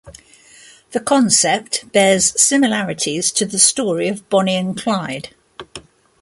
The concept bears similarities to the story of Bonnie and Clyde.